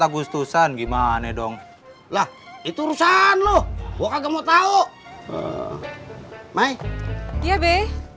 agustusan gimana dong lah itu urusan lu gua kagak mau tahu mai iya be